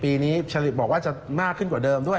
ปีนี้ผลิตบอกว่าจะมากขึ้นกว่าเดิมด้วย